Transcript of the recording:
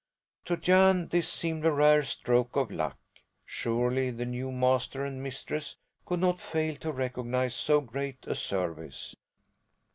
To Jan this seemed a rare stroke of luck. Surely the new master and mistress could not fail to recognize so great a service.